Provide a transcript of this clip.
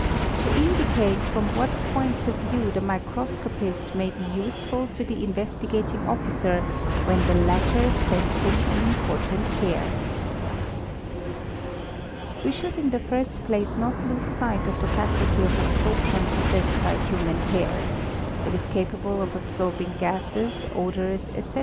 to indi cate from what points of view the microscopist may be useful to the Investigating Officer when the latter sends him an important hair. We should in the first place not lose sight of the faculty of absorption possessed by human hair; it is capable af absorbing gases, odours, ete.